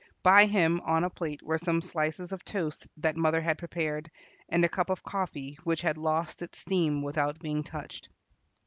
By him on a plate were some slices of toast that mother had prepared, and a cup of coffee, which had lost its steam without being touched.